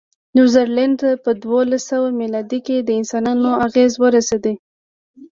نیوزیلند ته په دوولسسوه مېلادي کې د انسانانو اغېز ورسېد.